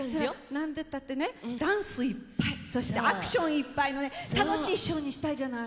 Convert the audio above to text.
何てったってねダンスいっぱいそしてアクションいっぱいのね楽しいショーにしたいじゃない。